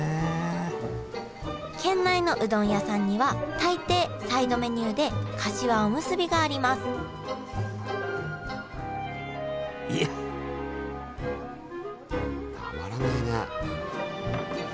県内のうどん屋さんには大抵サイドメニューでかしわおむすびがありますたまらないね。